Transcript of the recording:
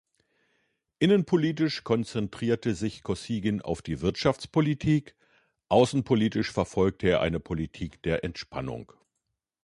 Innenpolitisch konzentrierte sich Kossygin auf die Wirtschaftspolitik; außenpolitisch verfolgte er eine Politik der Entspannung.